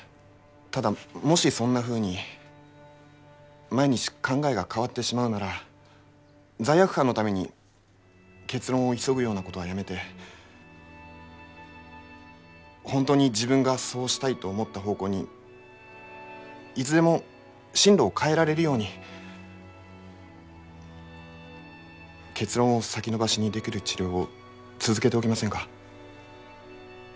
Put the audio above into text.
ただもしそんなふうに毎日考えが変わってしまうなら罪悪感のために結論を急ぐようなことはやめて本当に自分がそうしたいと思った方向にいつでも針路を変えられるように結論を先延ばしにできる治療を続けておきませんか？